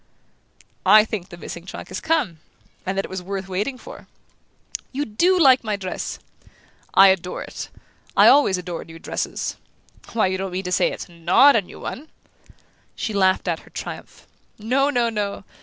"I think the missing trunk has come and that it was worth waiting for!" "You DO like my dress?" "I adore it! I always adore new dresses why, you don't mean to say it's NOT a new one?" She laughed out her triumph. "No, no, no!